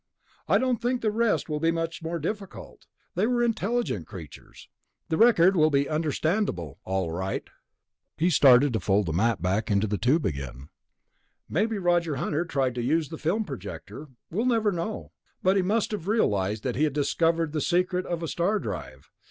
"I don't think the rest will be much more difficult. They were intelligent creatures. The record will be understandable, all right." He started to fold the map back into a tube again. "Maybe Roger Hunter tried to use the film projector. We'll never know. But he must have realized that he had discovered the secret of a star drive.